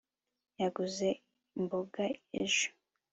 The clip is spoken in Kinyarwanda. yaguze imboga ejo